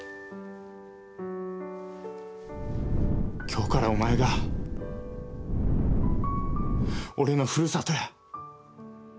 きょうからお前が俺のふるさとや。